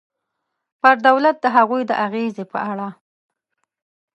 پر دولت د هغوی د اغېزې په اړه.